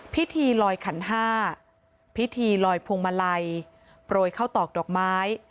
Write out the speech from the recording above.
พิธีลอยขันห้าพิธีลอยพวงมาลัยโปรยเข้าตอกดอกไม้